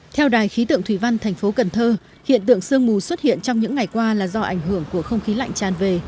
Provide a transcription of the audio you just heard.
theo đài khí tượng thủy văn thành phố cần thơ hiện tượng sương mù xuất hiện trong những ngày qua là do ảnh hưởng của không khí lạnh tràn về